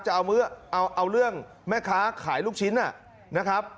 จะเอาเรื่องแม่ค้าขายลูกชิ้นนะครับ